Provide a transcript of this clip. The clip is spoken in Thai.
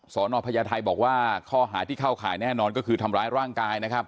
สนพญาไทยบอกว่าข้อหาที่เข้าข่ายแน่นอนก็คือทำร้ายร่างกายนะครับ